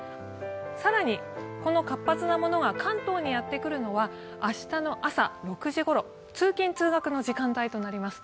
更にこの活発なものが関東にやってくるのは明日の朝６時ごろ通勤・通学の時間帯となります。